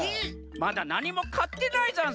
まだなにもかってないざんす。